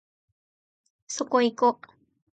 そこいこ